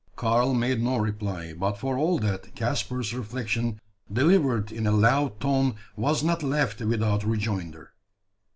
Karl made no reply; but for all that, Caspar's reflection, delivered in a loud tone, was not left without rejoinder.